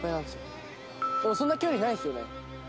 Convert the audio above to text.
でもそんな距離ないですよね？